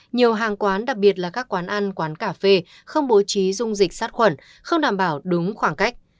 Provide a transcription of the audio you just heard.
nhiều hàng quán đặc biệt là các quán ăn quán cà phê không bố trí dung dịch sát khuẩn không đảm bảo đúng khoảng cách